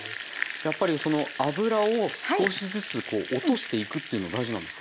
やっぱりその脂を少しずつ落としていくっていうのは大事なんですか？